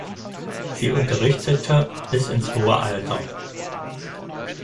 Sie unterrichtete bis ins hohe Alter.